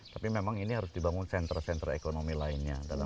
tapi memang ini harus dibangun senter senter ekonomi lainnya